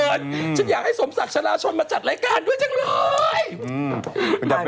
ชิดอย่าให้สมศักราชนมาจัดรายการด้วยจังเลย